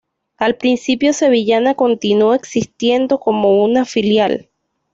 Al principio Sevillana continuó existiendo como una filial.